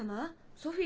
ソフィー！